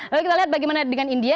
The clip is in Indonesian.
lalu kita lihat bagaimana dengan india